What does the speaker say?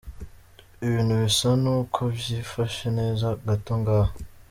Ibintu bisa n'uko vyifashe neza gato ngaha.